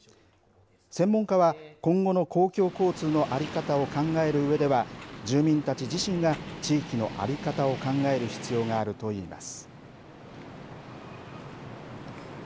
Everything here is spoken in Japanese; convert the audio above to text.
専門家は今後の公共交通の在り方を考えるうえでは住民たち自身が地域の在り方を考える必要があると言います。